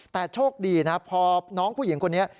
แต่โชคดีนะพอน้องผู้หญิงคนนี้